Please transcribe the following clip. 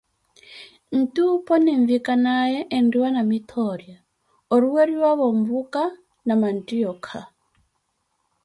Nti opo ninvikanaaye enriwa Namithoora, oruweriwavo mvuka na manttioyakha.